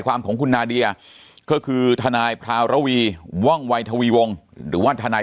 ของคุณนาเดียก็คือทนายพราวระวีว่องวัยทวีวงหรือว่าทนาย